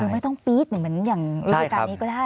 ไม่ต้องปี๊ดเหมือนอย่างฤดูการนี้ก็ได้